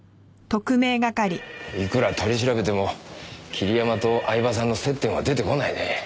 いくら取り調べても桐山と饗庭さんの接点は出てこないね。